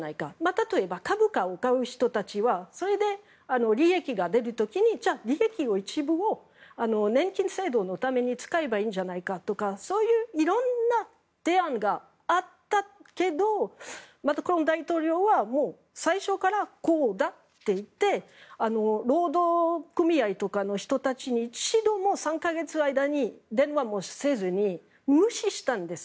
例えば、株価を買う人たちはそれで利益が出る時に利益の一部を年金制度のために使えばいいんじゃないかとかそういう色んな提案があったけどこの大統領は最初からこうだって言って労働組合とかの人たちに一度も３か月の間に電話もせずに無視したんです。